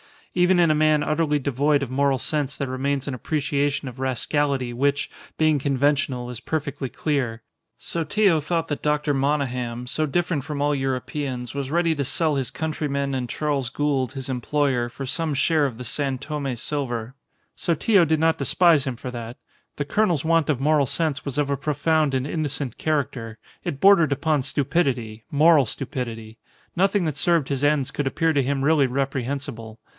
Even in a man utterly devoid of moral sense there remains an appreciation of rascality which, being conventional, is perfectly clear. Sotillo thought that Dr. Monygham, so different from all Europeans, was ready to sell his countrymen and Charles Gould, his employer, for some share of the San Tome silver. Sotillo did not despise him for that. The colonel's want of moral sense was of a profound and innocent character. It bordered upon stupidity, moral stupidity. Nothing that served his ends could appear to him really reprehensible.